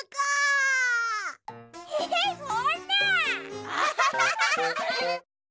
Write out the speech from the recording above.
えそんな。